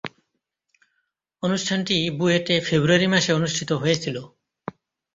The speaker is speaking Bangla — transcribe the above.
অনুষ্ঠানটি বুয়েটে ফেব্রুয়ারি মাসে অনুষ্ঠিত হয়েছিলো।